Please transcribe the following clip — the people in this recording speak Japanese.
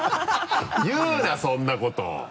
言うなそんなこと！